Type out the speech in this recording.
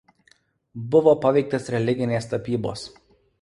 Buvo paveiktas religinės tapybos.